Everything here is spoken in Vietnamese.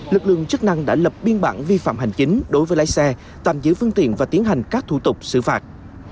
lực lượng chức năng đã lập biên bản vi phạm hành chính đối với lái xe tạm giữ phương tiện và tiến hành các thủ tục xử phạt